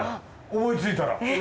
思いついたら。